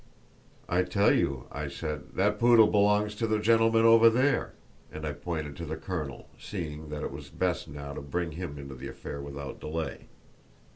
"I tell you," I said, "that poodle belongs to the gentleman over there." And I pointed to the colonel, seeing that it was best now to bring him into the affair without delay.